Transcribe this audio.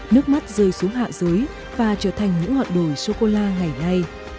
nước mắt rơi xuống hạ dưới và trở thành những ngọn đồi sô cô la ngày nay